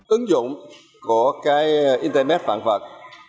ứng dụng của cái internet vạn vật